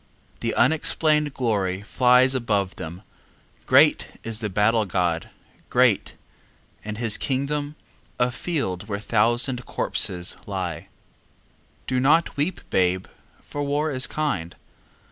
The unexplained glory flies above them, Great is the battle god, great, and his kingdom A field where a thousand corpses lie. Do not weep, babe, for war is kind.